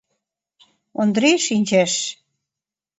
Ондрий шинчеш.